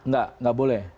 nggak nggak boleh